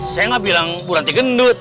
saya gak bilang buranti gendut